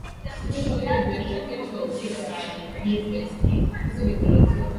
ya UajemiSehemu kubwa ya Iraq ni jangwa lakini kuna eneo lenye